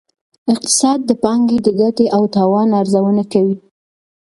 اقتصاد د پانګې د ګټې او تاوان ارزونه کوي.